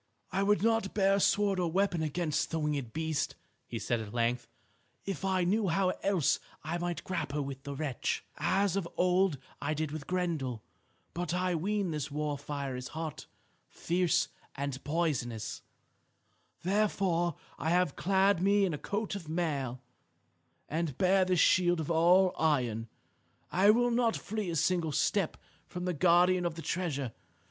"I would not bear a sword or weapon against the winged beast," he said at length, "if I knew how else I might grapple with the wretch, as of old I did with Grendel. But I ween this war fire is hot, fierce, and poisonous. Therefore I have clad me in a coat of mail, and bear this shield all of iron. I will not flee a single step from the guardian of the treasure.